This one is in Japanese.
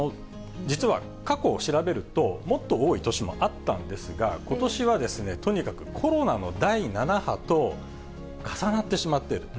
実は過去を調べると、もっと多い年もあったんですが、ことしはとにかくコロナの第７波と重なってしまっている。